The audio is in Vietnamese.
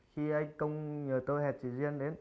khi anh công nhờ tôi hẹp chị duyên đến